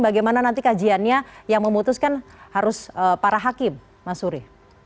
bagaimana nanti kajiannya yang memutuskan harus para hakim mas suri